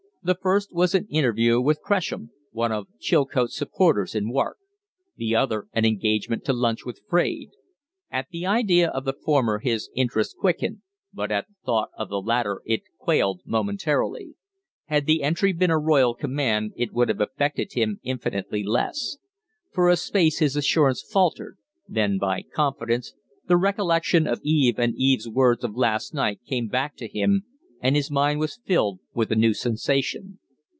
The first was an interview with Cresham, one of Chilcote's supporters in Wark; the other an engagement to lunch with Fraide. At the idea of the former his interest quickened, but at thought of the latter it quailed momentarily. Had the entry been a royal command it would have affected him infinitely less. For a space his assurance faltered; then, by coincidence, the recollection of Eve and Eve's words of last night came back to him, and his mind was filled with a new sensation.